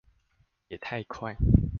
也太快